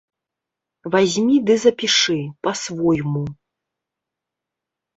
Вазьмі ды запішы, па-свойму.